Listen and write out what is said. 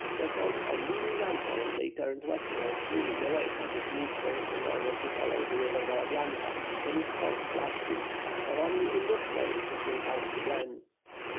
Therefore, on leaving Yampol. they turned westward, moving away from the Dniester in order to follow the river Valadynka in its course to Bash kov; for only in this way could they find the glen.